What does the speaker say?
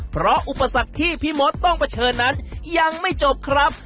เพราะอุปสรรคที่พี่มดต้องเผชิญนั้นยังไม่จบครับ